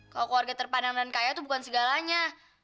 kalo keluarga terpandang dan kaya tuh bukan segalanya